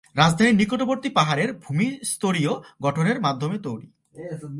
রাজধানীর নিকটবর্তী পাহাড়ের ভূমি স্তরীয় গঠনের মাধ্যমে তৈরি।